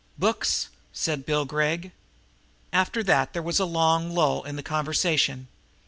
"Books," said Bill Gregg. After that there was a long lull in the conversation.